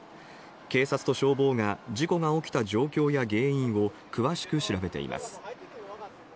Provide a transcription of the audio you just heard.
警察と消防が事故が起きた状況や原因を詳しく調べています。